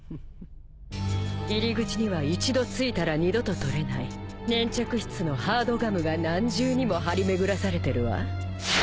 入り口には一度付いたら二度と取れない粘着質のハードガムが何重にも張り巡らされてるわ。